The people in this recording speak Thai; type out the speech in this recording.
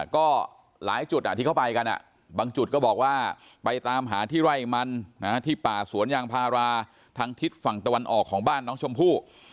ก็หลายจุดที่เขาไปกันบางจุดก็บอกว่าไปตามหาที่ไร่มันที่ป่าสวนยางพาราทางทิศฝั่งตะวันออกของบ้านน้องชมพู่